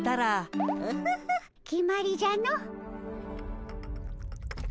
オホホ決まりじゃの。